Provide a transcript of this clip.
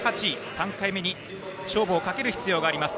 ３回目に勝負をかける必要があります。